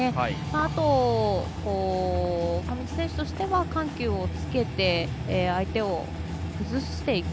あと、上地選手としては緩急をつけて相手を崩していく。